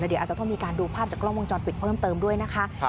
เดี๋ยวอาจจะต้องมีการดูภาพจากกล้องวงจรปิดเพิ่มเติมด้วยนะคะ